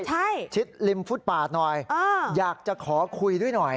ใช่ชิดริมฟุตปาดหน่อยอยากจะขอคุยด้วยหน่อย